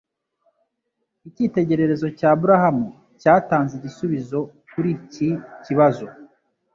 Icyitegererezo cya Aburahamu cyatanze igisubizo kuri iki kibazo